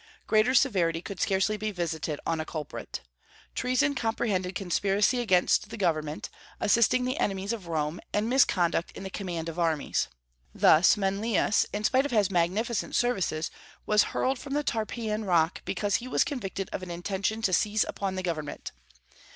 Greater severity could scarcely be visited on a culprit. Treason comprehended conspiracy against the government, assisting the enemies of Rome, and misconduct in the command of armies. Thus Manlius, in spite of his magnificent services, was hurled from the Tarpeian Rock, because he was convicted of an intention to seize upon the government.